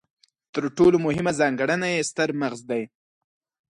تر ټولو مهمه ځانګړنه یې ستر مغز دی.